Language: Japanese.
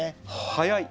早い！